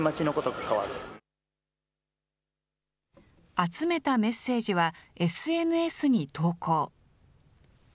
集めたメッセージはＳＮＳに投稿。